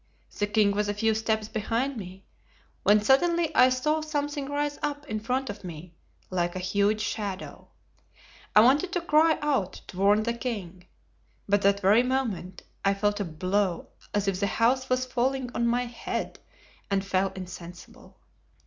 The king was a few steps behind me, when suddenly I saw something rise up in front of me like a huge shadow. I wanted to cry out to warn the king, but that very moment I felt a blow as if the house was falling on my head, and fell insensible.